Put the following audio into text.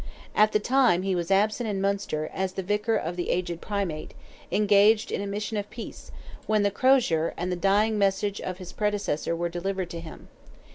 At the time he was absent in Munster, as the Vicar of the aged Primate, engaged in a mission of peace, when the crozier and the dying message of his predecessor were delivered to him.